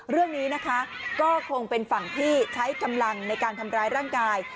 เรื่องนี้นะคะก็คงเป็นฝั่งที่ใช้กำลังในการทำร้ายร่างกาย